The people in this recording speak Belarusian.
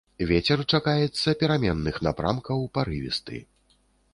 Вецер чакаецца пераменных напрамкаў, парывісты.